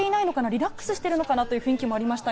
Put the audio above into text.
リラックスしているのかな？という雰囲気もありました。